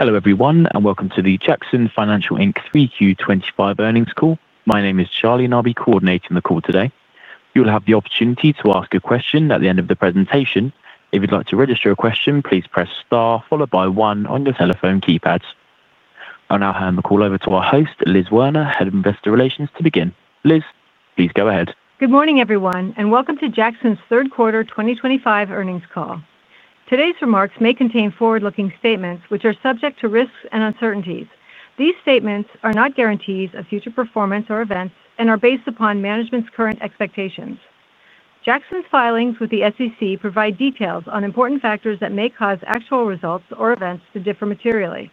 Hello everyone, and welcome to the Jackson Financial 3Q 2025 earnings call. My name is Charlie, and I'll be coordinating the call today. You'll have the opportunity to ask a question at the end of the presentation. If you'd like to register a question, please press star followed by one on your telephone keypads. I'll now hand the call over to our host, Liz Werner, Head of Investor Relations, to begin. Liz, please go ahead. Good morning, everyone, and welcome to Jackson's third quarter 2025 earnings call. Today's remarks may contain forward-looking statements, which are subject to risks and uncertainties. These statements are not guarantees of future performance or events and are based upon management's current expectations. Jackson's filings with the SEC provide details on important factors that may cause actual results or events to differ materially.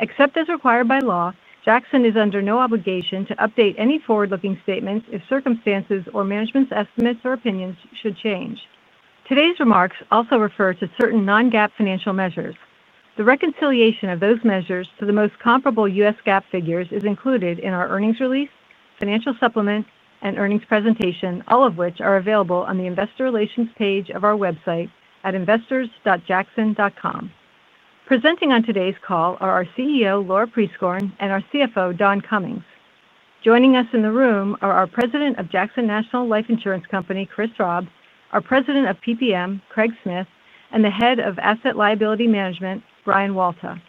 Except as required by law, Jackson is under no obligation to update any forward-looking statements if circumstances or management's estimates or opinions should change. Today's remarks also refer to certain non-GAAP financial measures. The reconciliation of those measures to the most comparable U.S. GAAP figures is included in our earnings release, financial supplement, and earnings presentation, all of which are available on the Investor Relations page of our website at investors.jackson.com. Presenting on today's call are our CEO, Laura Prieskorn, and our CFO, Don Cummings. Joining us in the room are our President of Jackson National Life Insurance Company, Chris Raub, our President of PPM, Craig Smith, and the Head of Asset Liability Management, Brian Walter.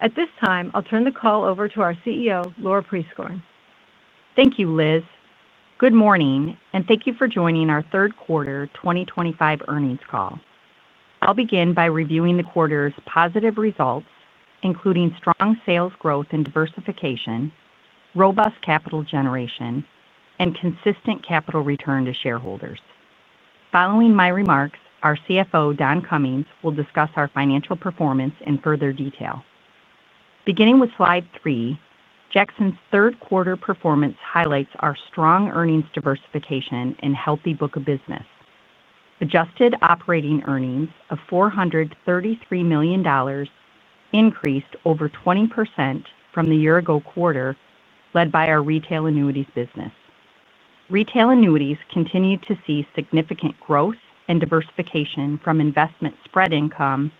At this time, I'll turn the call over to our CEO, Laura Prieskorn. Thank you, Liz. Good morning, and thank you for joining our third quarter 2025 earnings call. I'll begin by reviewing the quarter's positive results, including strong sales growth and diversification, robust capital generation, and consistent capital return to shareholders. Following my remarks, our CFO, Don Cummings, will discuss our financial performance in further detail. Beginning with slide three, Jackson's third quarter performance highlights our strong earnings diversification and healthy book of business. Adjusted operating earnings of $433 million increased over 20% from the year-ago quarter led by our retail annuities business. Retail annuities continue to see significant growth and diversification from investment spread income,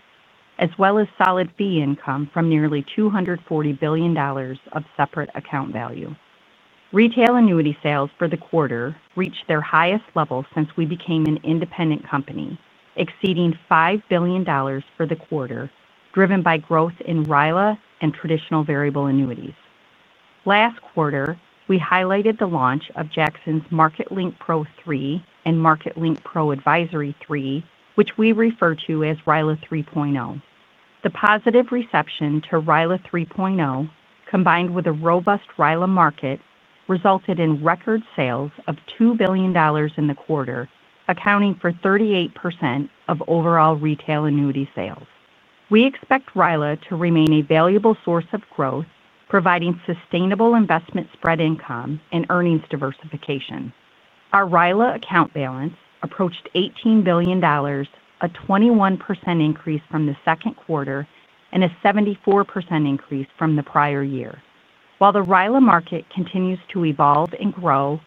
as well as solid fee income from nearly $240 billion of separate account value. Retail annuity sales for the quarter reached their highest level since we became an independent company, exceeding $5 billion for the quarter, driven by growth in RILA and traditional variable annuities. Last quarter, we highlighted the launch of Jackson's MarketLink Pro 3 and MarketLink Pro Advisory 3, which we refer to as RILA 3.0. The positive reception to RILA 3.0, combined with a robust RILA market, resulted in record sales of $2 billion in the quarter, accounting for 38% of overall retail annuity sales. We expect RILA to remain a valuable source of growth, providing sustainable investment spread income and earnings diversification. Our RILA account balance approached $18 billion, a 21% increase from the second quarter and a 74% increase from the prior year. While the RILA market continues to evolve and grow,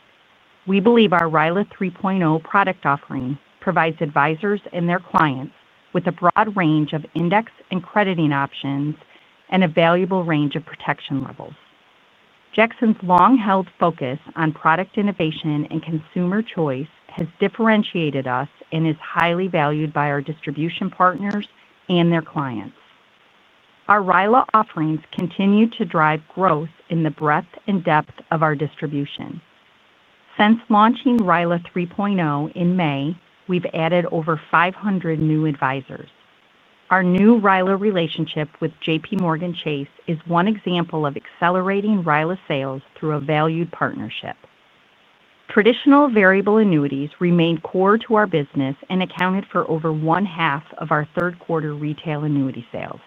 we believe our RILA 3.0 product offering provides advisors and their clients with a broad range of index and crediting options and a valuable range of protection levels. Jackson's long-held focus on product innovation and consumer choice has differentiated us and is highly valued by our distribution partners and their clients. Our RILA offerings continue to drive growth in the breadth and depth of our distribution. Since launching RILA 3.0 in May, we've added over 500 new advisors. Our new RILA relationship with J.P. Morgan Chase is one example of accelerating RILA sales through a valued partnership. Traditional variable annuities remained core to our business and accounted for over one-half of our third quarter retail annuity sales.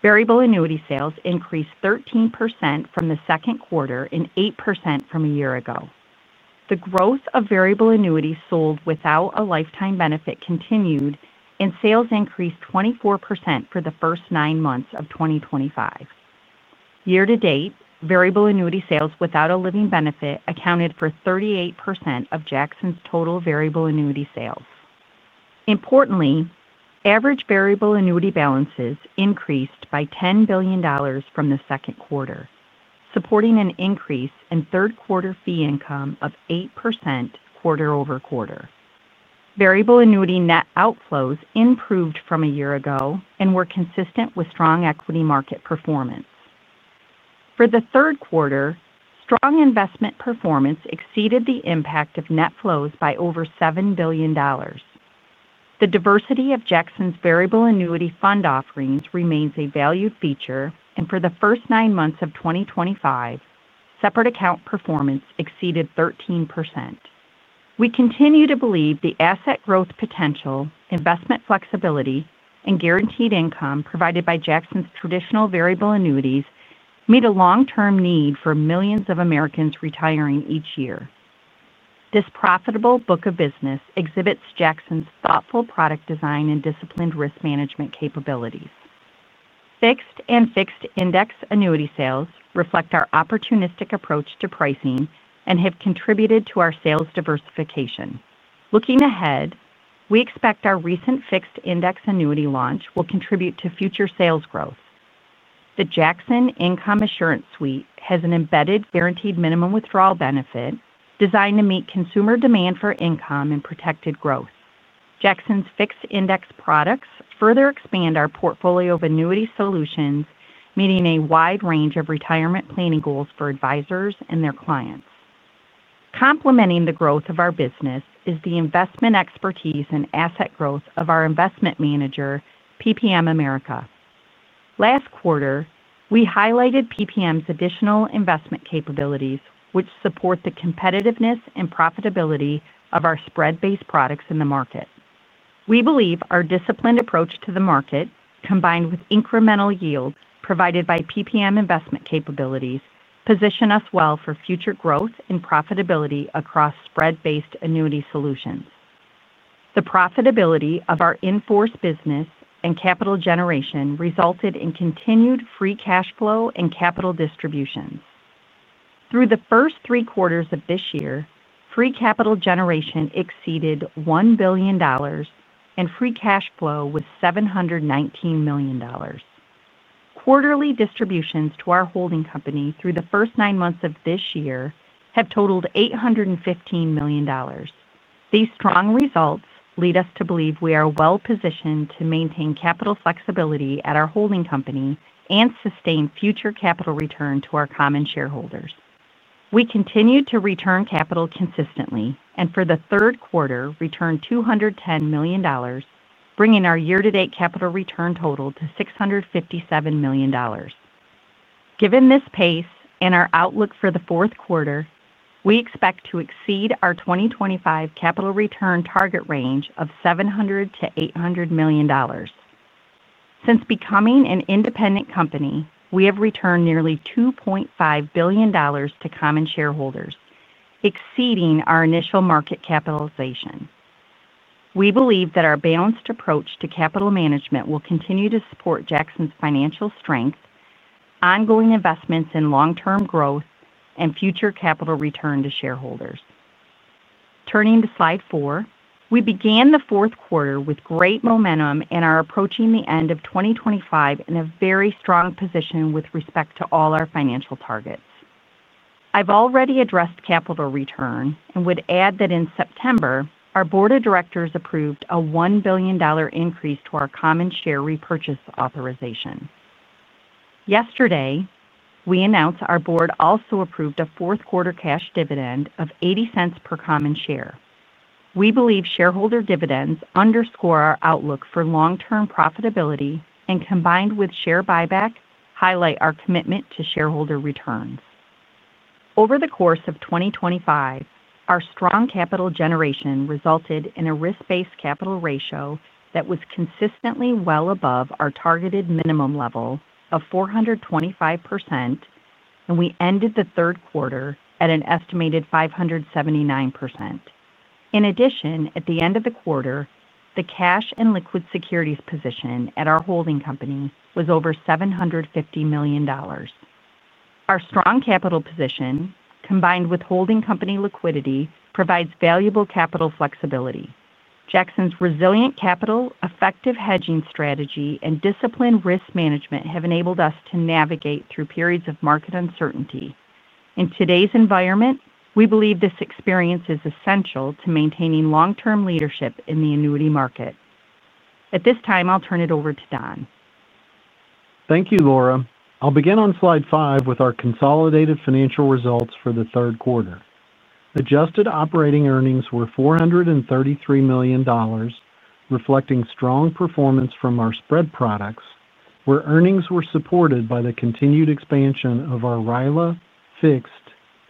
Variable annuity sales increased 13% from the second quarter and 8% from a year ago. The growth of variable annuities sold without a lifetime benefit continued, and sales increased 24% for the first nine months of 2025. Year-to-date, variable annuity sales without a living benefit accounted for 38% of Jackson's total variable annuity sales. Importantly, average variable annuity balances increased by $10 billion from the second quarter, supporting an increase in third quarter fee income of 8% quarter over quarter. Variable annuity net outflows improved from a year ago and were consistent with strong equity market performance. For the third quarter, strong investment performance exceeded the impact of net flows by over $7 billion. The diversity of Jackson's variable annuity fund offerings remains a valued feature, and for the first nine months of 2025, separate account performance exceeded 13%. We continue to believe the asset growth potential, investment flexibility, and guaranteed income provided by Jackson's traditional variable annuities meet a long-term need for millions of Americans retiring each year. This profitable book of business exhibits Jackson's thoughtful product design and disciplined risk management capabilities. Fixed and fixed index annuity sales reflect our opportunistic approach to pricing and have contributed to our sales diversification. Looking ahead, we expect our recent fixed index annuity launch will contribute to future sales growth. The Jackson Income Assurance Suite has an embedded guaranteed minimum withdrawal benefit designed to meet consumer demand for income and protected growth. Jackson's fixed index products further expand our portfolio of annuity solutions, meeting a wide range of retirement planning goals for advisors and their clients. Complementing the growth of our business is the investment expertise and asset growth of our investment manager, PPM America. Last quarter, we highlighted PPM's additional investment capabilities, which support the competitiveness and profitability of our spread-based products in the market. We believe our disciplined approach to the market, combined with incremental yields provided by PPM investment capabilities, positions us well for future growth and profitability across spread-based annuity solutions. The profitability of our in-force business and capital generation resulted in continued free cash flow and capital distributions. Through the first three quarters of this year, free capital generation exceeded $1 billion. Free cash flow was $719 million. Quarterly distributions to our holding company through the first nine months of this year have totaled $815 million. These strong results lead us to believe we are well-positioned to maintain capital flexibility at our holding company and sustain future capital return to our common shareholders. We continue to return capital consistently and, for the third quarter, returned $210 million, bringing our year-to-date capital return total to $657 million. Given this pace and our outlook for the fourth quarter, we expect to exceed our 2025 capital return target range of $700-$800 million. Since becoming an independent company, we have returned nearly $2.5 billion to common shareholders, exceeding our initial market capitalization. We believe that our balanced approach to capital management will continue to support Jackson's financial strength. Ongoing investments in long-term growth, and future capital return to shareholders. Turning to slide four, we began the fourth quarter with great momentum and are approaching the end of 2025 in a very strong position with respect to all our financial targets. I've already addressed capital return and would add that in September, our board of directors approved a $1 billion increase to our common share repurchase authorization. Yesterday, we announced our board also approved a fourth-quarter cash dividend of $0.80 per common share. We believe shareholder dividends underscore our outlook for long-term profitability and, combined with share buyback, highlight our commitment to shareholder returns. Over the course of 2025, our strong capital generation resulted in a risk-based capital ratio that was consistently well above our targeted minimum level of 425%. We ended the third quarter at an estimated 579%. In addition, at the end of the quarter, the cash and liquid securities position at our holding company was over $750 million. Our strong capital position, combined with holding company liquidity, provides valuable capital flexibility. Jackson's resilient capital, effective hedging strategy, and disciplined risk management have enabled us to navigate through periods of market uncertainty. In today's environment, we believe this experience is essential to maintaining long-term leadership in the annuity market. At this time, I'll turn it over to Don. Thank you, Laura. I'll begin on slide five with our consolidated financial results for the third quarter. Adjusted operating earnings were $433 million, reflecting strong performance from our spread products, where earnings were supported by the continued expansion of our RILA, fixed,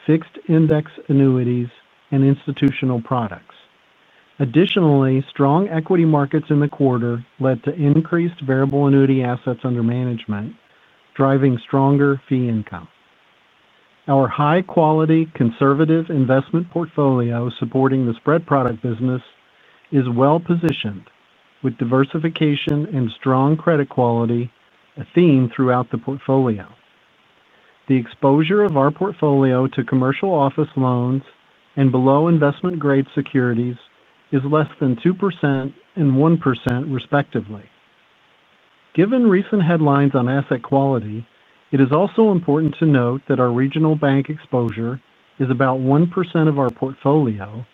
fixed index annuities, and institutional products. Additionally, strong equity markets in the quarter led to increased variable annuity assets under management, driving stronger fee income. Our high-quality conservative investment portfolio supporting the spread product business is well-positioned, with diversification and strong credit quality a theme throughout the portfolio. The exposure of our portfolio to commercial office loans and below investment-grade securities is less than 2% and 1%, respectively. Given recent headlines on asset quality, it is also important to note that our regional bank exposure is about 1% of our portfolio,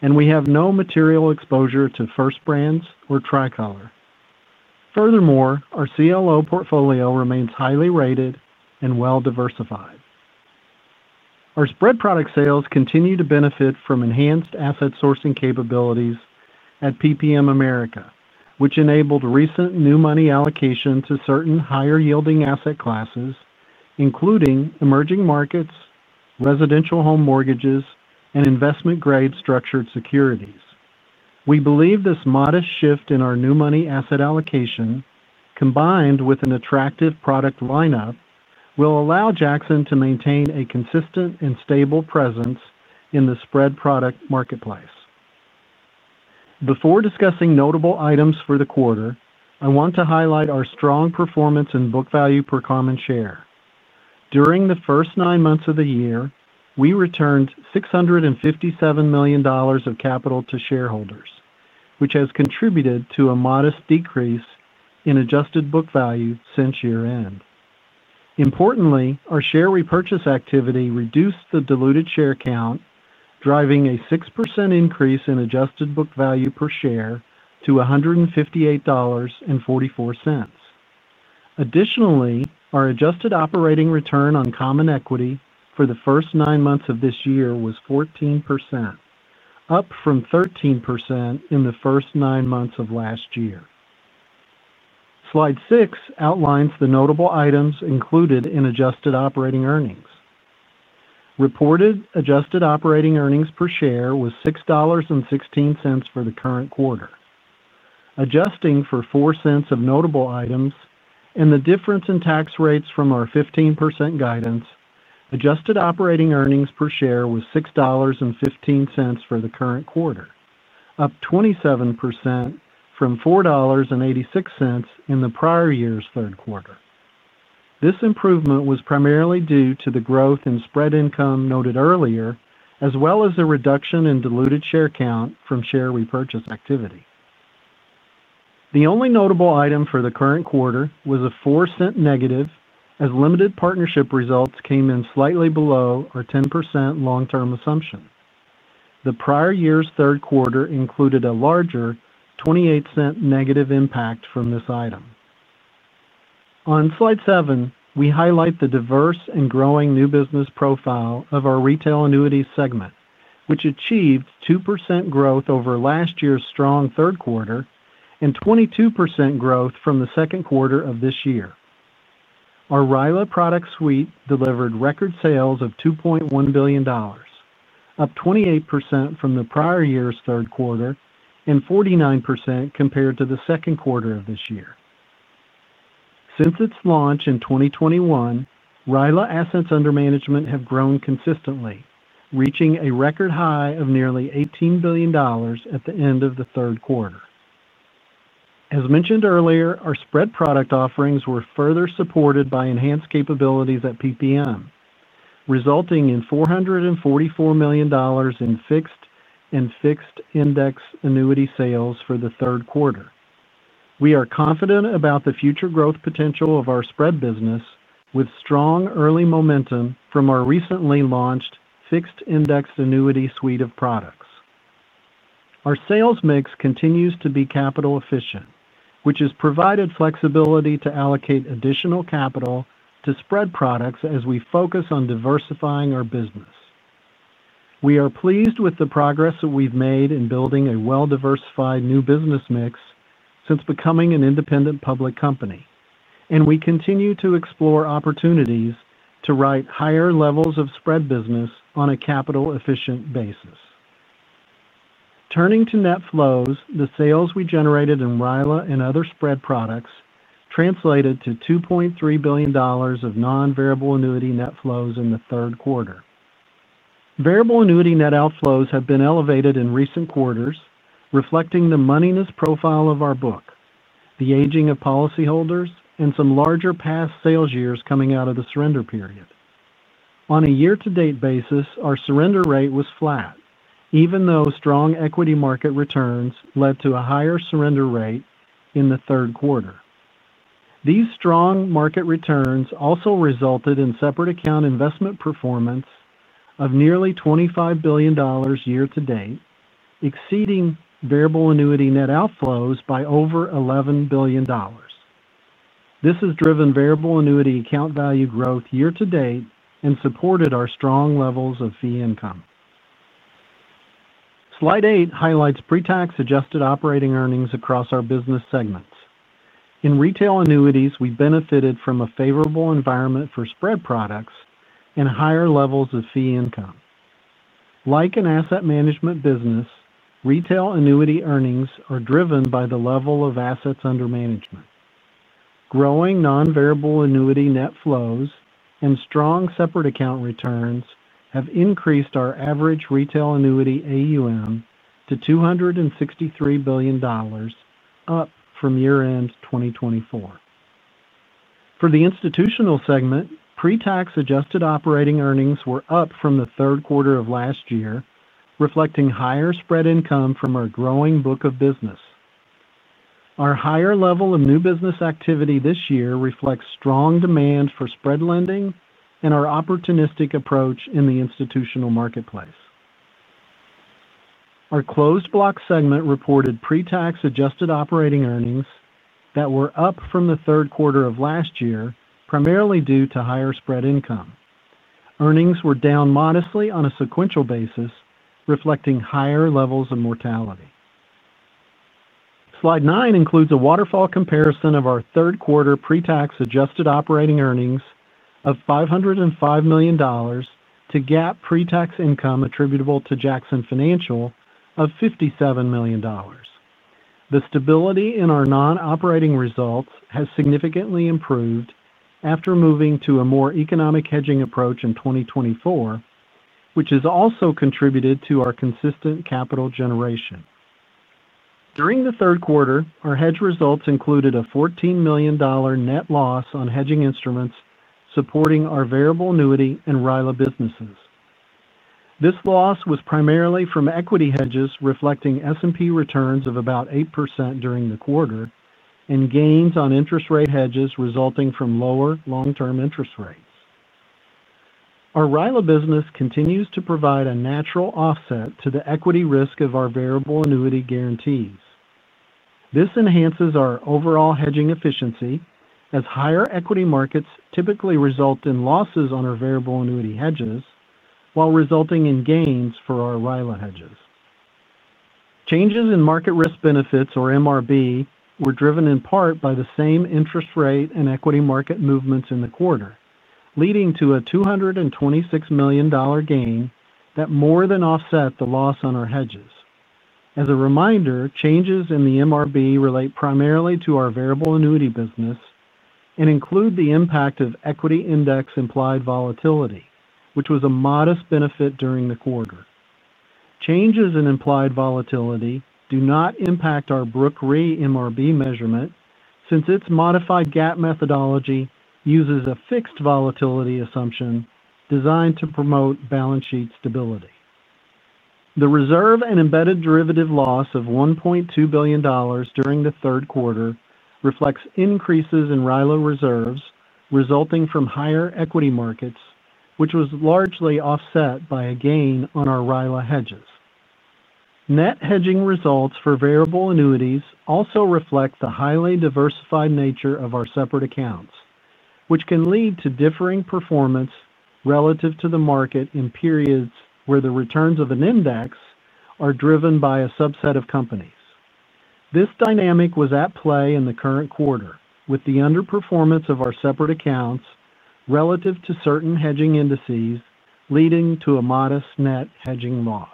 and we have no material exposure to First Brands or Tricolor. Furthermore, our CLO portfolio remains highly rated and well-diversified. Our spread product sales continue to benefit from enhanced asset sourcing capabilities at PPM America, which enabled recent new money allocation to certain higher-yielding asset classes, including emerging markets, residential home mortgages, and investment-grade structured securities. We believe this modest shift in our new money asset allocation, combined with an attractive product lineup, will allow Jackson to maintain a consistent and stable presence in the spread product marketplace. Before discussing notable items for the quarter, I want to highlight our strong performance in book value per common share. During the first nine months of the year, we returned $657 million of capital to shareholders, which has contributed to a modest decrease in adjusted book value since year-end. Importantly, our share repurchase activity reduced the diluted share count, driving a 6% increase in adjusted book value per share to $158.44. Additionally, our adjusted operating return on common equity for the first nine months of this year was 14%, up from 13% in the first nine months of last year. Slide six outlines the notable items included in adjusted operating earnings. Reported adjusted operating earnings per share was $6.16 for the current quarter. Adjusting for 4 cents of notable items and the difference in tax rates from our 15% guidance, adjusted operating earnings per share was $6.15 for the current quarter, up 27% from $4.86 in the prior year's third quarter. This improvement was primarily due to the growth in spread income noted earlier, as well as a reduction in diluted share count from share repurchase activity. The only notable item for the current quarter was a -0.4, as limited partnership results came in slightly below our 10% long-term assumption. The prior year's third quarter included a larger $-0.28 impact from this item. On slide seven, we highlight the diverse and growing new business profile of our retail annuity segment, which achieved 2% growth over last year's strong third quarter and 22% growth from the second quarter of this year. Our RILA product suite delivered record sales of $2.1 billion, up 28% from the prior year's third quarter and 49% compared to the second quarter of this year. Since its launch in 2021, RILA assets under management have grown consistently, reaching a record high of nearly $18 billion at the end of the third quarter. As mentioned earlier, our spread product offerings were further supported by enhanced capabilities at PPM, resulting in $444 million in fixed and fixed index annuity sales for the third quarter. We are confident about the future growth potential of our spread business with strong early momentum from our recently launched fixed index annuity suite of products. Our sales mix continues to be capital efficient, which has provided flexibility to allocate additional capital to spread products as we focus on diversifying our business. We are pleased with the progress that we've made in building a well-diversified new business mix since becoming an independent public company, and we continue to explore opportunities to write higher levels of spread business on a capital-efficient basis. Turning to net flows, the sales we generated in RILA and other spread products translated to $2.3 billion of non-variable annuity net flows in the third quarter. Variable annuity net outflows have been elevated in recent quarters, reflecting the moneyness profile of our book, the aging of policyholders, and some larger past sales years coming out of the surrender period. On a year-to-date basis, our surrender rate was flat, even though strong equity market returns led to a higher surrender rate in the third quarter. These strong market returns also resulted in separate account investment performance of nearly $25 billion year-to-date, exceeding variable annuity net outflows by over $11 billion. This has driven variable annuity account value growth year-to-date and supported our strong levels of fee income. Slide eight highlights pre-tax adjusted operating earnings across our business segments. In retail annuities, we benefited from a favorable environment for spread products and higher levels of fee income. Like an asset management business, retail annuity earnings are driven by the level of assets under management. Growing non-variable annuity net flows and strong separate account returns have increased our average retail annuity AUM to $263 billion, up from year-end 2024. For the institutional segment, pre-tax adjusted operating earnings were up from the third quarter of last year, reflecting higher spread income from our growing book of business. Our higher level of new business activity this year reflects strong demand for spread lending and our opportunistic approach in the institutional marketplace. Our closed-block segment reported pre-tax adjusted operating earnings that were up from the third quarter of last year, primarily due to higher spread income. Earnings were down modestly on a sequential basis, reflecting higher levels of mortality. Slide nine includes a waterfall comparison of our third quarter pre-tax adjusted operating earnings of $505 million to GAAP pre-tax income attributable to Jackson Financial of $57 million. The stability in our non-operating results has significantly improved after moving to a more economic hedging approach in 2024, which has also contributed to our consistent capital generation. During the third quarter, our hedge results included a $14 million net loss on hedging instruments supporting our variable annuity and RILA businesses. This loss was primarily from equity hedges reflecting S&P returns of about 8% during the quarter and gains on interest rate hedges resulting from lower long-term interest rates. Our RILA business continues to provide a natural offset to the equity risk of our variable annuity guarantees. This enhances our overall hedging efficiency, as higher equity markets typically result in losses on our variable annuity hedges while resulting in gains for our RILA hedges. Changes in market risk benefits, or MRB, were driven in part by the same interest rate and equity market movements in the quarter, leading to a $226 million gain that more than offset the loss on our hedges. As a reminder, changes in the MRB relate primarily to our variable annuity business and include the impact of equity index implied volatility, which was a modest benefit during the quarter. Changes in implied volatility do not impact our Brook RE MRB measurement since its modified GAAP methodology uses a fixed volatility assumption designed to promote balance sheet stability. The reserve and embedded derivative loss of $1.2 billion during the third quarter reflects increases in RILA reserves resulting from higher equity markets, which was largely offset by a gain on our RILA hedges. Net hedging results for variable annuities also reflect the highly diversified nature of our separate accounts, which can lead to differing performance relative to the market in periods where the returns of an index are driven by a subset of companies. This dynamic was at play in the current quarter, with the underperformance of our separate accounts relative to certain hedging indices, leading to a modest net hedging loss.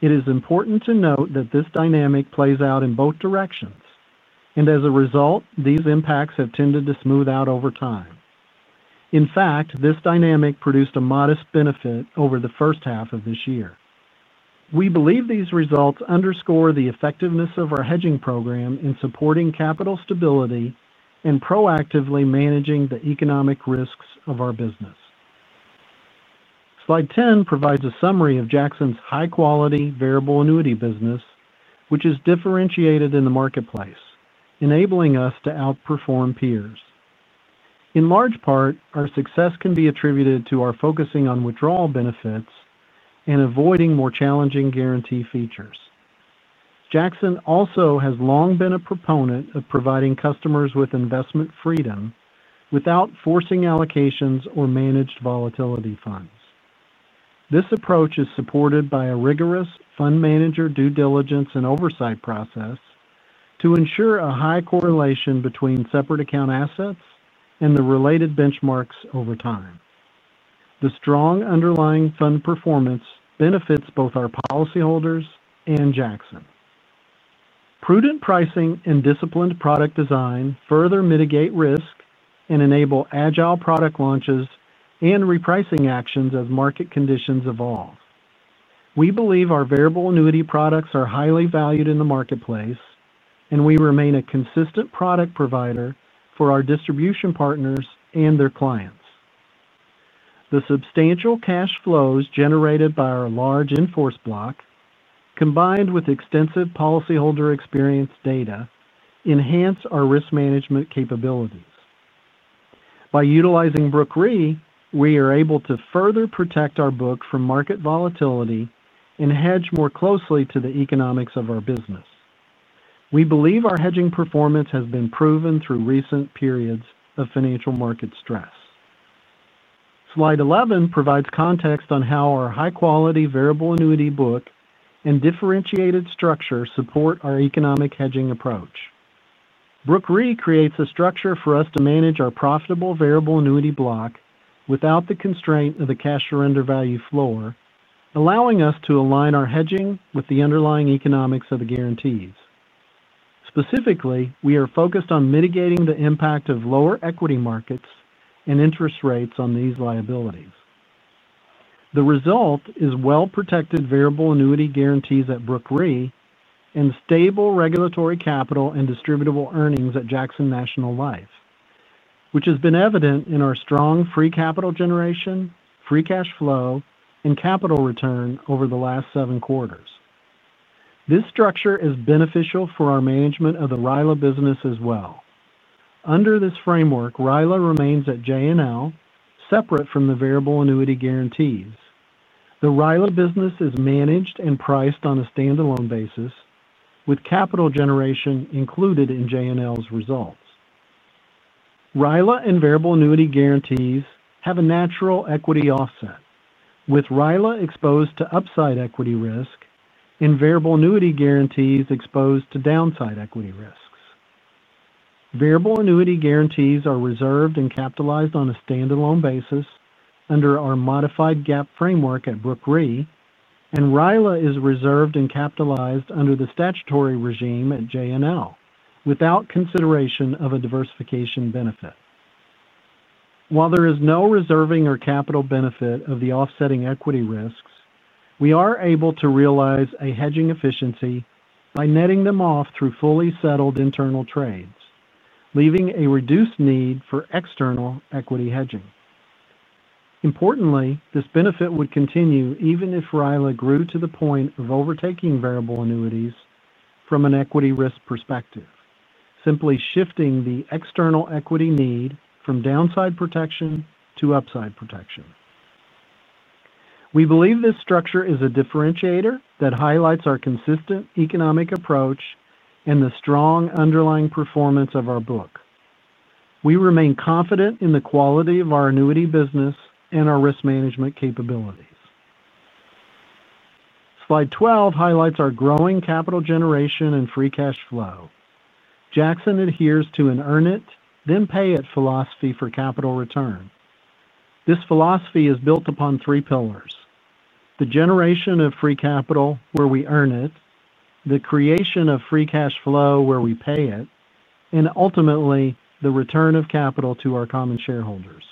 It is important to note that this dynamic plays out in both directions, and as a result, these impacts have tended to smooth out over time. In fact, this dynamic produced a modest benefit over the first half of this year. We believe these results underscore the effectiveness of our hedging program in supporting capital stability and proactively managing the economic risks of our business. Slide 10 provides a summary of Jackson's high-quality variable annuity business, which is differentiated in the marketplace, enabling us to outperform peers. In large part, our success can be attributed to our focusing on withdrawal benefits and avoiding more challenging guarantee features. Jackson also has long been a proponent of providing customers with investment freedom without forcing allocations or managed volatility funds. This approach is supported by a rigorous fund manager due diligence and oversight process to ensure a high correlation between separate account assets and the related benchmarks over time. The strong underlying fund performance benefits both our policyholders and Jackson. Prudent pricing and disciplined product design further mitigate risk and enable agile product launches and repricing actions as market conditions evolve. We believe our variable annuity products are highly valued in the marketplace, and we remain a consistent product provider for our distribution partners and their clients. The substantial cash flows generated by our large inforce block, combined with extensive policyholder experience data, enhance our risk management capabilities. By utilizing Brook RE, we are able to further protect our book from market volatility and hedge more closely to the economics of our business. We believe our hedging performance has been proven through recent periods of financial market stress. Slide 11 provides context on how our high-quality variable annuity book and differentiated structure support our economic hedging approach. Brook RE creates a structure for us to manage our profitable variable annuity block without the constraint of the cash surrender value floor, allowing us to align our hedging with the underlying economics of the guarantees. Specifically, we are focused on mitigating the impact of lower equity markets and interest rates on these liabilities. The result is well-protected variable annuity guarantees at Brook RE and stable regulatory capital and distributable earnings at Jackson National Life, which has been evident in our strong free capital generation, free cash flow, and capital return over the last seven quarters. This structure is beneficial for our management of the RILA business as well. Under this framework, RILA remains at JNL separate from the variable annuity guarantees. The RILA business is managed and priced on a standalone basis, with capital generation included in JNL's results. RILA and variable annuity guarantees have a natural equity offset, with RILA exposed to upside equity risk and variable annuity guarantees exposed to downside equity risks. Variable annuity guarantees are reserved and capitalized on a standalone basis under our modified GAAP framework at Brook RE, and RILA is reserved and capitalized under the statutory regime at JNL without consideration of a diversification benefit. While there is no reserving or capital benefit of the offsetting equity risks, we are able to realize a hedging efficiency by netting them off through fully settled internal trades, leaving a reduced need for external equity hedging. Importantly, this benefit would continue even if RILA grew to the point of overtaking variable annuities from an equity risk perspective, simply shifting the external equity need from downside protection to upside protection. We believe this structure is a differentiator that highlights our consistent economic approach and the strong underlying performance of our book. We remain confident in the quality of our annuity business and our risk management capabilities. Slide 12 highlights our growing capital generation and free cash flow. Jackson adheres to an earn-it, then pay-it philosophy for capital return. This philosophy is built upon three pillars: the generation of free capital where we earn it, the creation of free cash flow where we pay it, and ultimately the return of capital to our common shareholders.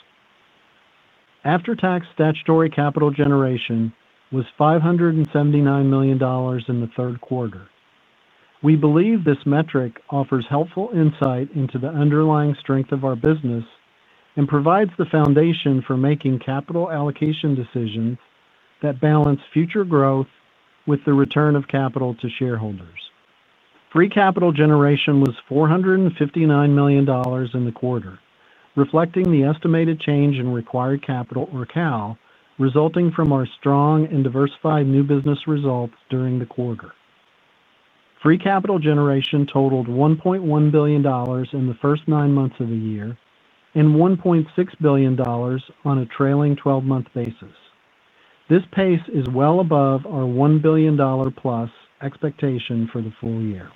After-tax statutory capital generation was $579 million in the third quarter. We believe this metric offers helpful insight into the underlying strength of our business. It provides the foundation for making capital allocation decisions that balance future growth with the return of capital to shareholders. Free capital generation was $459 million in the quarter, reflecting the estimated change in required capital or CAL resulting from our strong and diversified new business results during the quarter. Free capital generation totaled $1.1 billion in the first nine months of the year and $1.6 billion on a trailing 12-month basis. This pace is well above our $1 billion-plus expectation for the full year.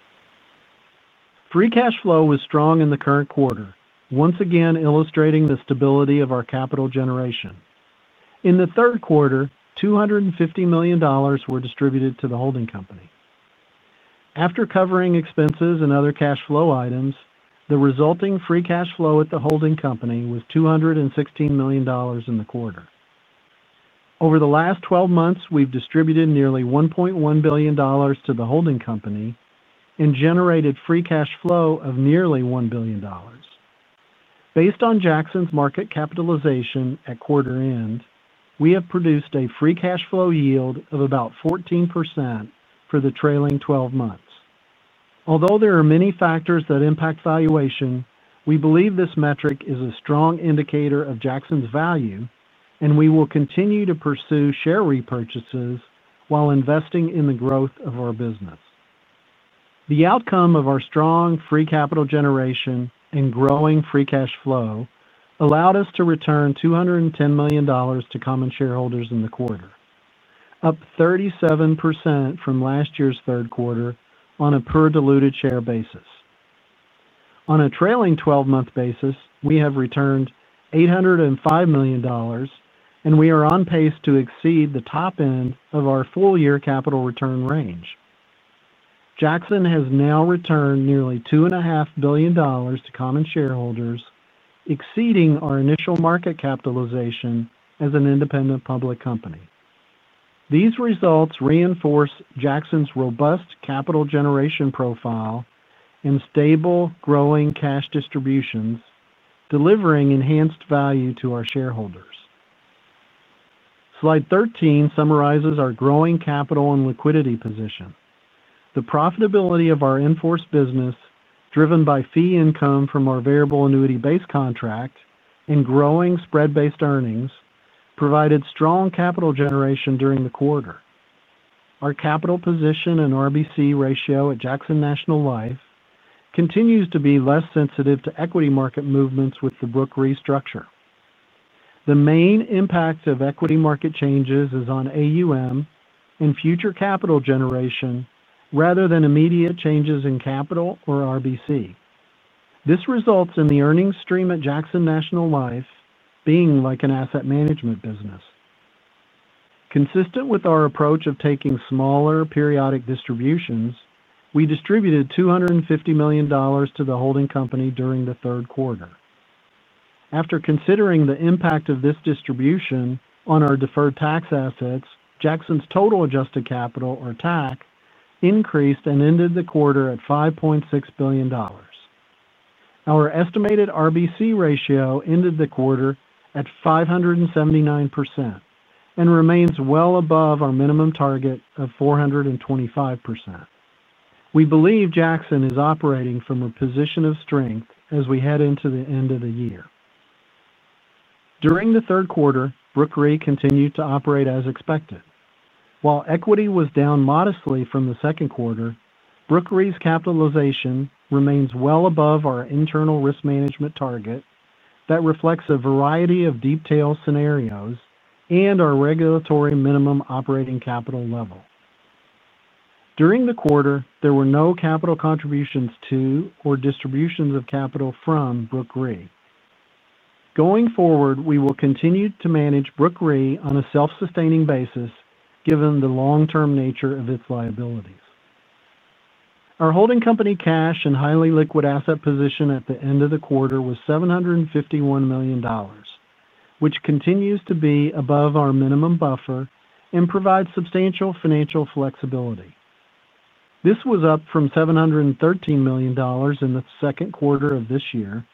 Free cash flow was strong in the current quarter, once again illustrating the stability of our capital generation. In the third quarter, $250 million were distributed to the holding company. After covering expenses and other cash flow items, the resulting free cash flow at the holding company was $216 million in the quarter. Over the last 12 months, we've distributed nearly $1.1 billion to the holding company and generated free cash flow of nearly $1 billion. Based on Jackson's market capitalization at quarter end, we have produced a free cash flow yield of about 14% for the trailing 12 months. Although there are many factors that impact valuation, we believe this metric is a strong indicator of Jackson's value, and we will continue to pursue share repurchases while investing in the growth of our business. The outcome of our strong free capital generation and growing free cash flow allowed us to return $210 million to common shareholders in the quarter, up 37% from last year's third quarter on a per-diluted share basis. On a trailing 12-month basis, we have returned $805 million, and we are on pace to exceed the top end of our full-year capital return range. Jackson has now returned nearly $2.5 billion to common shareholders, exceeding our initial market capitalization as an independent public company. These results reinforce Jackson's robust capital generation profile and stable growing cash distributions, delivering enhanced value to our shareholders. Slide 13 summarizes our growing capital and liquidity position. The profitability of our inforce business, driven by fee income from our variable annuity-based contract and growing spread-based earnings, provided strong capital generation during the quarter. Our capital position and RBC ratio at Jackson National Life continues to be less sensitive to equity market movements with the Brook RE structure. The main impact of equity market changes is on AUM and future capital generation rather than immediate changes in capital or RBC. This results in the earnings stream at Jackson National Life being like an asset management business. Consistent with our approach of taking smaller periodic distributions, we distributed $250 million to the holding company during the third quarter. After considering the impact of this distribution on our deferred tax assets, Jackson's total adjusted capital, or TAC, increased and ended the quarter at $5.6 billion. Our estimated RBC ratio ended the quarter at 579% and remains well above our minimum target of 425%. We believe Jackson is operating from a position of strength as we head into the end of the year. During the third quarter, Brook RE continued to operate as expected. While equity was down modestly from the second quarter, Brook RE's capitalization remains well above our internal risk management target that reflects a variety of detailed scenarios and our regulatory minimum operating capital level. During the quarter, there were no capital contributions to or distributions of capital from Brook RE. Going forward, we will continue to manage Brook RE on a self-sustaining basis given the long-term nature of its liabilities. Our holding company cash and highly liquid asset position at the end of the quarter was $751 million, which continues to be above our minimum buffer and provides substantial financial flexibility. This was up from $713 million in the second quarter of this year,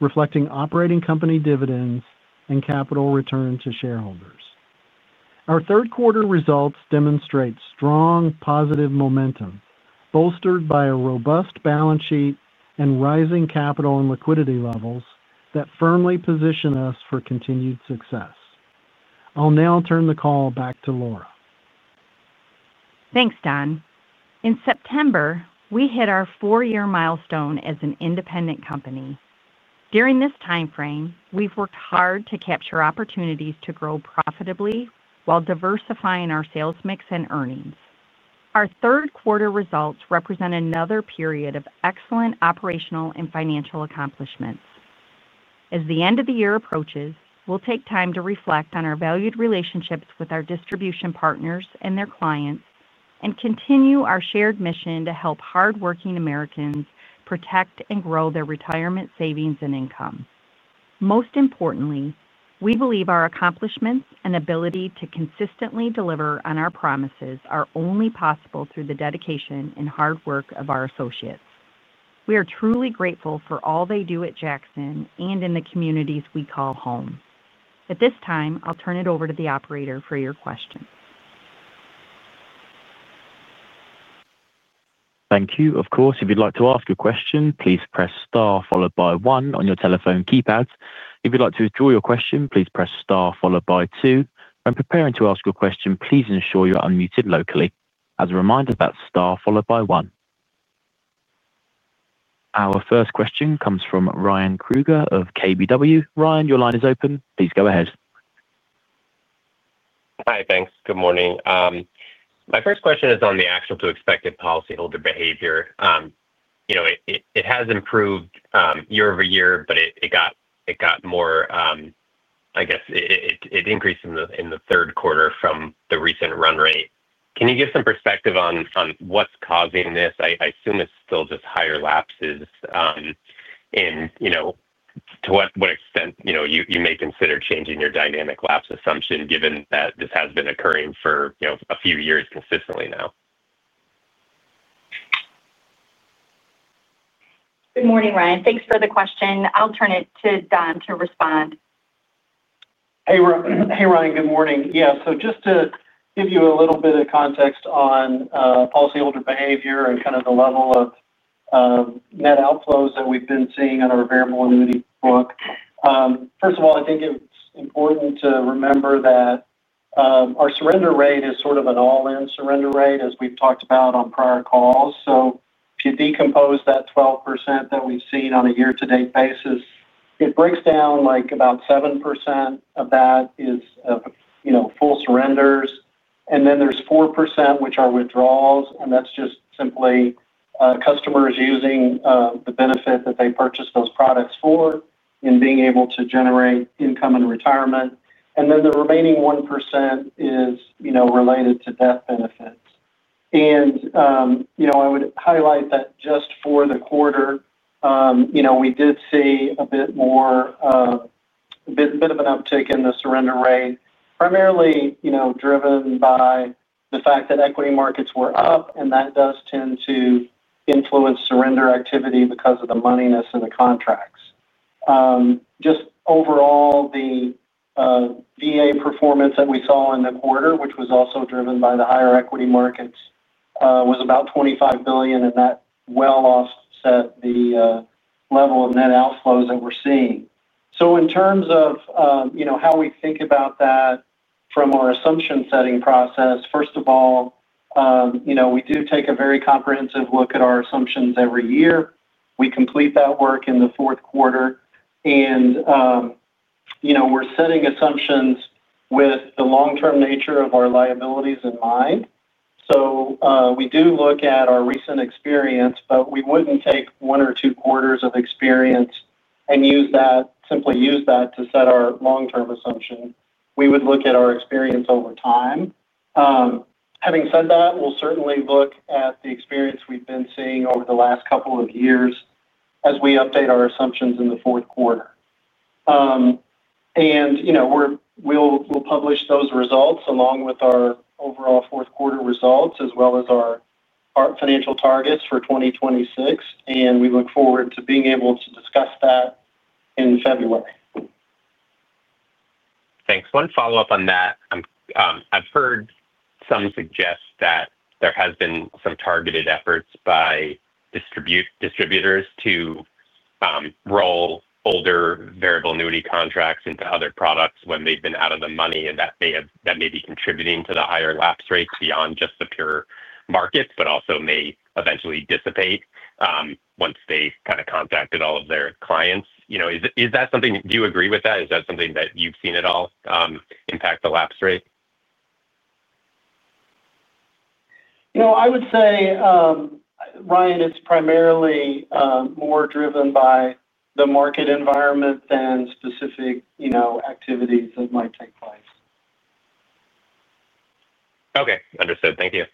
reflecting operating company dividends and capital return to shareholders. Our third quarter results demonstrate strong positive momentum bolstered by a robust balance sheet and rising capital and liquidity levels that firmly position us for continued success. I'll now turn the call back to Laura. Thanks, Don. In September, we hit our four-year milestone as an independent company. During this timeframe, we've worked hard to capture opportunities to grow profitably while diversifying our sales mix and earnings. Our third quarter results represent another period of excellent operational and financial accomplishments. As the end of the year approaches, we'll take time to reflect on our valued relationships with our distribution partners and their clients and continue our shared mission to help hardworking Americans protect and grow their retirement savings and income. Most importantly, we believe our accomplishments and ability to consistently deliver on our promises are only possible through the dedication and hard work of our associates. We are truly grateful for all they do at Jackson and in the communities we call home. At this time, I'll turn it over to the operator for your questions. Thank you. Of course, if you'd like to ask a question, please press star followed by one on your telephone keypad. If you'd like to withdraw your question, please press star followed by two. When preparing to ask a question, please ensure you're unmuted locally. As a reminder, that's star followed by one. Our first question comes from Ryan Krueger of KBW. Ryan, your line is open. Please go ahead. Hi, thanks. Good morning. My first question is on the actual to expected policyholder behavior. It has improved year-over-year, but it got more, I guess it increased in the third quarter from the recent run rate. Can you give some perspective on what's causing this? I assume it's still just higher lapses. To what extent you may consider changing your dynamic lapse assumption given that this has been occurring for a few years consistently now? Good morning, Ryan. Thanks for the question. I'll turn it to Don to respond. Hey, Ryan. Good morning. Yeah. Just to give you a little bit of context on policyholder behavior and kind of the level of net outflows that we've been seeing on our variable annuity book. First of all, I think it's important to remember that our surrender rate is sort of an all-in surrender rate, as we've talked about on prior calls. If you decompose that 12% that we've seen on a year-to-date basis, it breaks down like about 7% of that is full surrenders. Then there's 4%, which are withdrawals. That's just simply customers using the benefit that they purchased those products for and being able to generate income in retirement. The remaining 1% is related to death benefits. I would highlight that just for the quarter, we did see a bit more, a bit of an uptick in the surrender rate, primarily driven by the fact that equity markets were up, and that does tend to influence surrender activity because of the moneyness in the contracts. Overall, the VA performance that we saw in the quarter, which was also driven by the higher equity markets, was about $25 billion, and that well offset the level of net outflows that we're seeing. In terms of how we think about that from our assumption-setting process, first of all, we do take a very comprehensive look at our assumptions every year. We complete that work in the fourth quarter. We are setting assumptions with the long-term nature of our liabilities in mind. We do look at our recent experience, but we would not take one or two quarters of experience and simply use that to set our long-term assumption. We would look at our experience over time. Having said that, we will certainly look at the experience we have been seeing over the last couple of years as we update our assumptions in the fourth quarter. We will publish those results along with our overall fourth-quarter results as well as our financial targets for 2026. We look forward to being able to discuss that in February. Thanks. One follow-up on that. I have heard some suggest that there have been some targeted efforts by distributors to. Roll older variable annuity contracts into other products when they've been out of the money and that may be contributing to the higher lapse rates beyond just the pure markets, but also may eventually dissipate. Once they've kind of contacted all of their clients. Is that something—do you agree with that? Is that something that you've seen at all impact the lapse rate? I would say. Ryan, it's primarily. More driven by the market environment than specific. Activities that might take place. Okay. Understood. Thank you.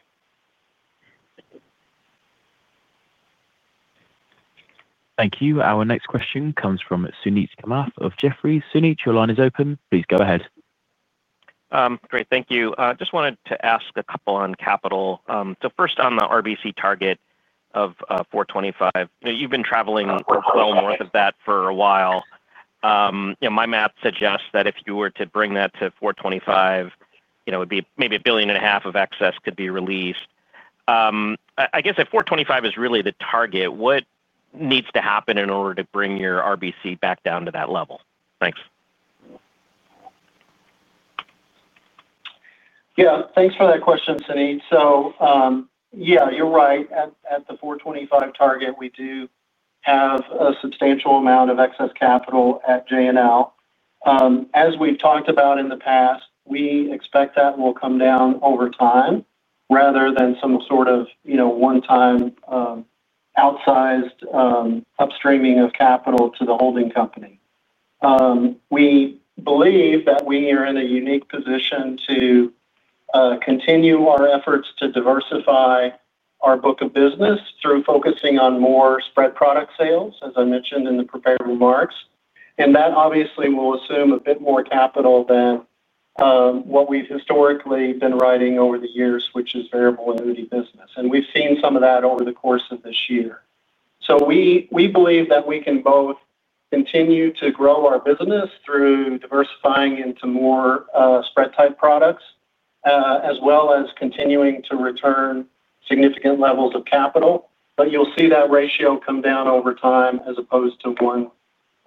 Thank you. Our next question comes from Sunit Kamath of Jefferies. Sunit, your line is open. Please go ahead. Yeah. Thanks for that question, Suneet. We have seen some of that over the course of this year. We believe that we can both continue to grow our business through diversifying into more spread-type products as well as continuing to return significant levels of capital. You will see that ratio come down over time as opposed to one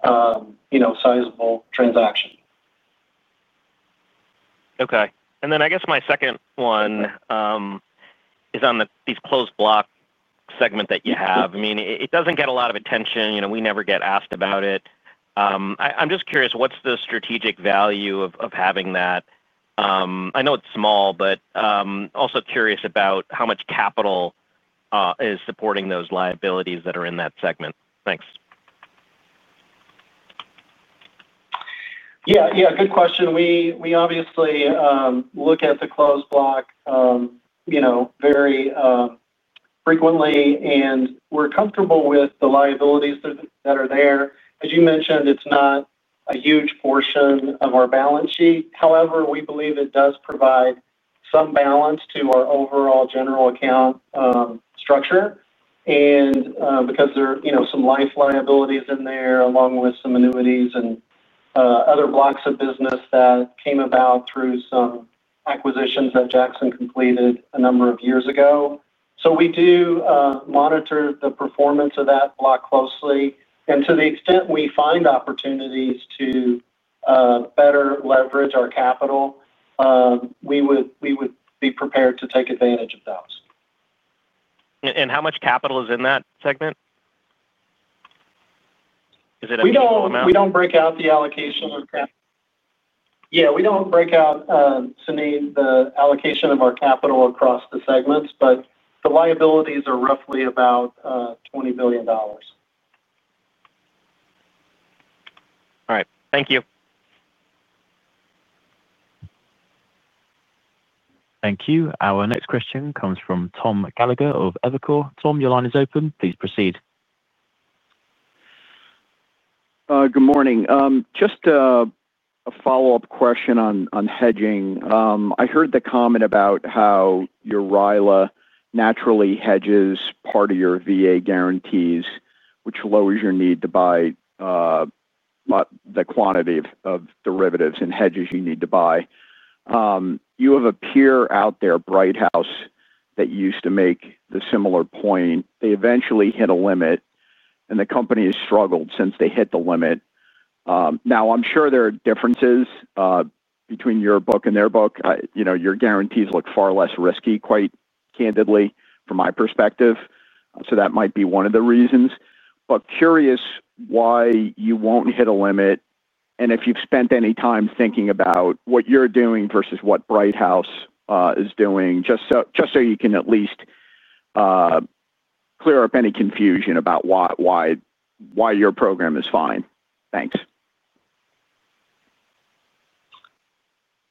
sizable transaction. Okay. I guess my second one is on these closed-block segments that you have. I mean, it does not get a lot of attention. We never get asked about it. I am just curious, what is the strategic value of having that? I know it is small, but also curious about how much capital is supporting those liabilities that are in that segment. Thanks. Yeah. Good question. We obviously look at the closed-block very frequently, and we are comfortable with the liabilities that are there. As you mentioned, it is not a huge portion of our balance sheet. However, we believe it does provide some balance to our overall general account structure. Because there are some life liabilities in there along with some annuities and other blocks of business that came about through some acquisitions that Jackson completed a number of years ago. We do monitor the performance of that block closely. To the extent we find opportunities to better leverage our capital, we would be prepared to take advantage of those. How much capital is in that segment? Is it a small amount? We do not break out the allocation of capital. Yeah. We do not break out, Sunit, the allocation of our capital across the segments, but the liabilities are roughly about $20 billion. All right. Thank you. Thank you. Our next question comes from Tom Gallagher of Evercore. Tom, your line is open. Please proceed. Good morning. Just a follow-up question on hedging. I heard the comment about how your RILA naturally hedges part of your VA guarantees, which lowers your need to buy the quantity of derivatives and hedges you need to buy. You have a peer out there, Brighthouse, that used to make the similar point. They eventually hit a limit, and the company has struggled since they hit the limit. Now, I'm sure there are differences between your book and their book. Your guarantees look far less risky, quite candidly, from my perspective. That might be one of the reasons. Curious why you won't hit a limit and if you've spent any time thinking about what you're doing versus what Brighthouse is doing, just so you can at least clear up any confusion about why your program is fine. Thanks.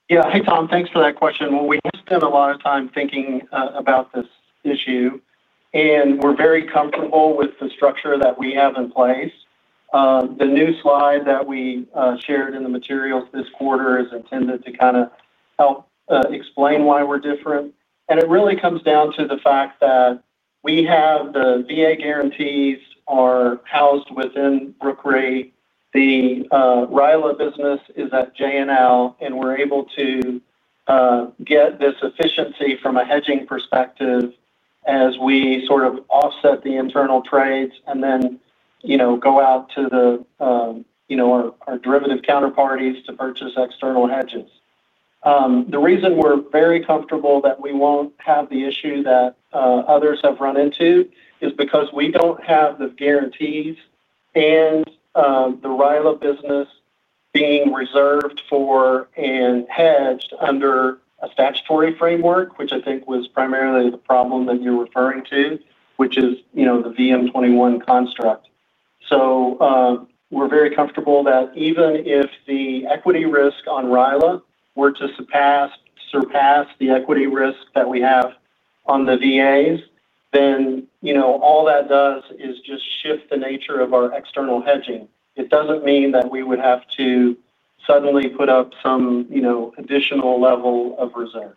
Yeah. Hey, Tom, thanks for that question. We have spent a lot of time thinking about this issue, and we're very comfortable with the structure that we have in place. The new slide that we shared in the materials this quarter is intended to kind of help explain why we're different. It really comes down to the fact that we have the VA guarantees housed within Brook RE. The RILA business is at JNL, and we're able to get this efficiency from a hedging perspective as we sort of offset the internal trades and then go out to our derivative counterparties to purchase external hedges. The reason we're very comfortable that we won't have the issue that others have run into is because we don't have the guarantees and the RILA business. Being reserved for and hedged under a statutory framework, which I think was primarily the problem that you're referring to, which is the VM21 construct. We are very comfortable that even if the equity risk on RILA were to surpass the equity risk that we have on the VAs, then all that does is just shift the nature of our external hedging. It does not mean that we would have to suddenly put up some additional level of reserves.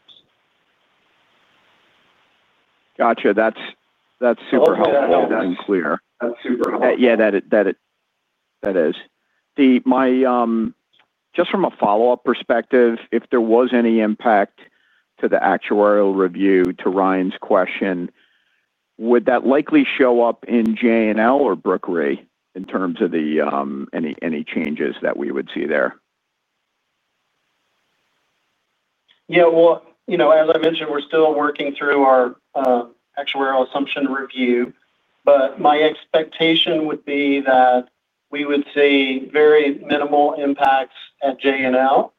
Gotcha. That is super helpful and clear. Just from a follow-up perspective, if there was any impact to the actuarial review to Ryan's question, would that likely show up in JNL or Brook RE in terms of any changes that we would see there? Yeah. As I mentioned, we're still working through our actuarial assumption review, but my expectation would be that we would see very minimal impacts at JNL.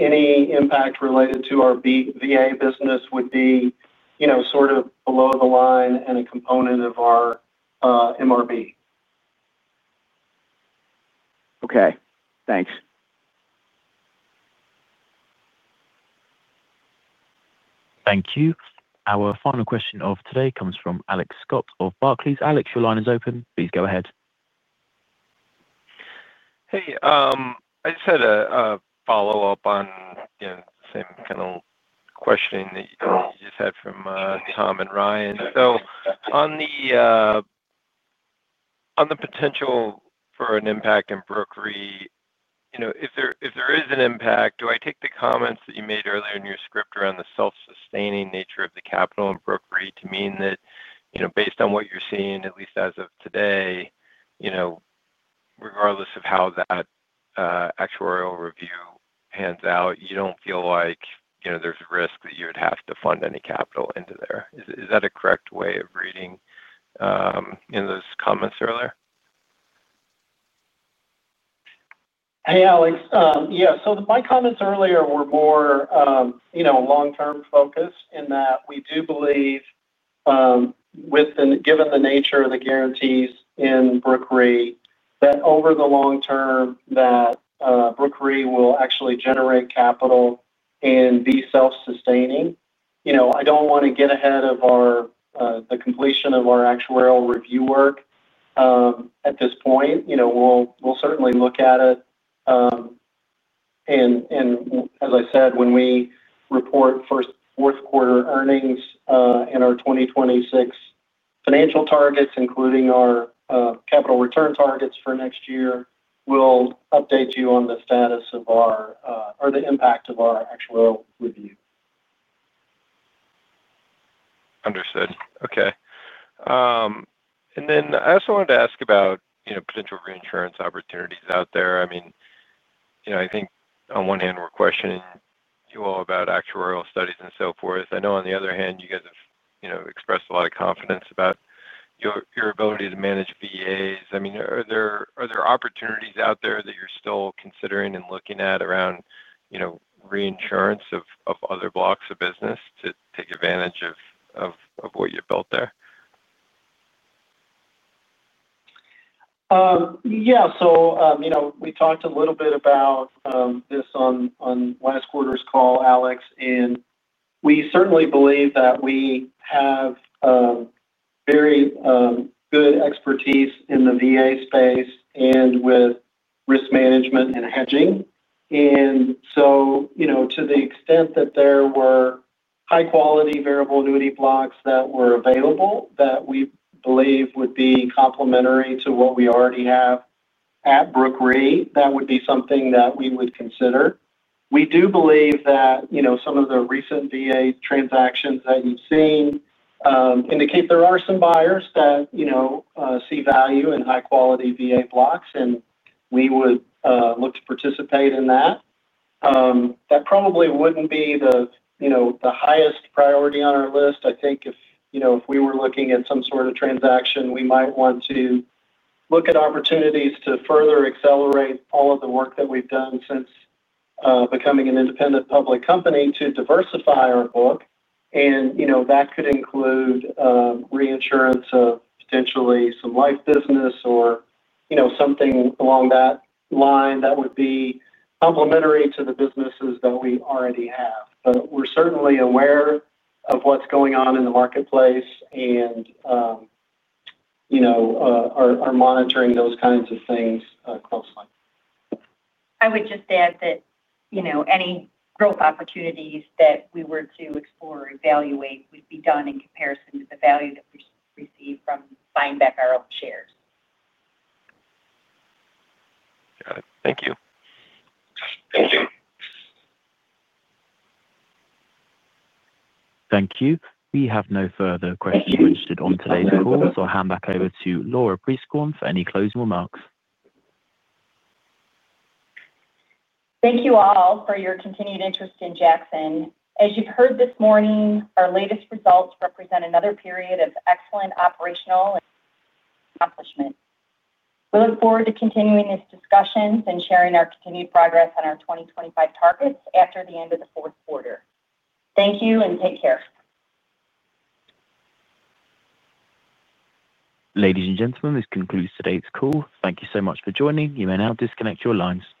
Any impact related to our VA business would be sort of below the line and a component of our MRB. Okay. Thanks. Thank you. Our final question of today comes from Alex Scott of Barclays. Alex, your line is open. Please go ahead. Hey. I just had a follow-up on the same kind of question that you just had from Tom and Ryan. On the potential for an impact in Brook RE, if there is an impact, do I take the comments that you made earlier in your script around the self-sustaining nature of the capital in Brook RE to mean that based on what you're seeing, at least as of today, regardless of how that actuarial review pans out, you do not feel like there is a risk that you would have to fund any capital into there? Is that a correct way of reading those comments earlier? Hey, Alex. Yeah. My comments earlier were more long-term focused in that we do believe, given the nature of the guarantees in Brook RE, that over the long term, Brook RE will actually generate capital and be self-sustaining. I do not want to get ahead of the completion of our actuarial review work at this point. We will certainly look at it. As I said, when we report fourth-quarter earnings and our 2026 financial targets, including our capital return targets for next year, we will update you on the status of our or the impact of our actuarial review. Understood. Okay. I also wanted to ask about potential reinsurance opportunities out there. I mean, I think on one hand, we're questioning you all about actuarial studies and so forth. I know on the other hand, you guys have expressed a lot of confidence about your ability to manage VAs. I mean, are there opportunities out there that you're still considering and looking at around reinsurance of other blocks of business to take advantage of what you've built there? Yeah. So we talked a little bit about this on last quarter's call, Alex, and we certainly believe that we have very good expertise in the VA space and with risk management and hedging. To the extent that there were high-quality variable annuity blocks that were available that we believe would be complementary to what we already have at Brook RE, that would be something that we would consider. We do believe that some of the recent VA transactions that you've seen. Indicate there are some buyers that see value in high-quality VA blocks, and we would look to participate in that. That probably would not be the highest priority on our list. I think if we were looking at some sort of transaction, we might want to look at opportunities to further accelerate all of the work that we have done since becoming an independent public company to diversify our book. That could include reinsurance of potentially some life business or something along that line that would be complementary to the businesses that we already have. We are certainly aware of what is going on in the marketplace and are monitoring those kinds of things closely. I would just add that any growth opportunities that we were to explore or evaluate would be done in comparison to the value that we receive from buying back our own shares. Got it. Thank you. Thank you. Thank you. We have no further questions registered on today's call, so I'll hand back over to Laura Prieskorn for any closing remarks. Thank you all for your continued interest in Jackson. As you've heard this morning, our latest results represent another period of excellent operational accomplishment. We look forward to continuing this discussion and sharing our continued progress on our 2025 targets after the end of the fourth quarter. Thank you and take care. Ladies and gentlemen, this concludes today's call. Thank you so much for joining. You may now disconnect your lines.